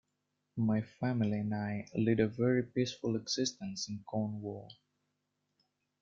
My family and I lead a very peaceful existence in Cornwall.